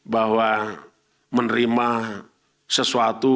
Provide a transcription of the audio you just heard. bahwa menerima sesuatu